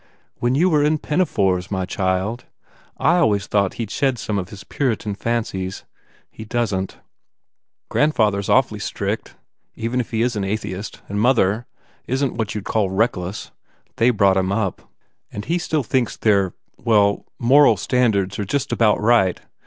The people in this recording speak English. "When you were in pinafores, my child! I always thought he d shed some of his Puritan fancies. He doesn t." "Grandfather s awfully strict, even if he is an atheist. And mother ... isn t what you d call reckless. They brought him up. And he still thinks their ... well, moral standards are just about right.